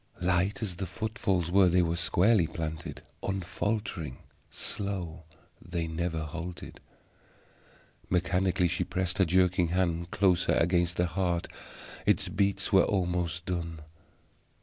Light as the footfalls were, they were squarely planted, unfaltering; slow, they never halted. Mechanically she pressed her jerking hand closer against the heart; its beats were almost done.